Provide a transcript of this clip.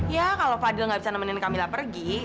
ya kalo fadil gak bisa nemenin kamila pergi